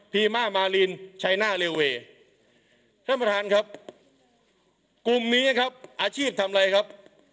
ีมามารินชัยหน้าเลเวย์ท่านประธานครับกลุ่มนี้ครับอาชีพทำอะไรครับ